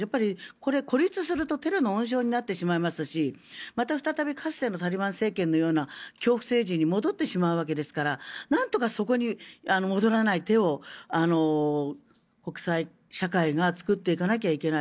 これ、孤立するとテロの温床になってしまいますしまた再びかつてのタリバン政権のような恐怖政治に戻ってしまうわけですからなんとかそこに戻らない手を国際社会が作っていかなきゃいけない。